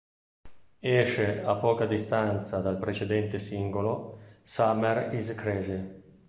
Esce a poca distanza dal precedente singolo "Summer Is Crazy".